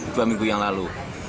dua minggu yang lalu